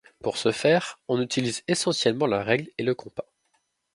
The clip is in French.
Pour ce faire, on utilise essentiellement la règle et le compas.